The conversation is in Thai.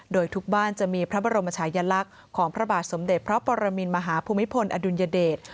โดยทุกบ้านจะมีพระบรมชายลักษณ์ของพระบาทสมเด็จพระปรมินมหาภูมิพลอดุลยเดช